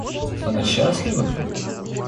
Она счастлива?